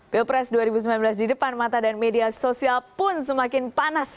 pilpres dua ribu sembilan belas di depan mata dan media sosial pun semakin panas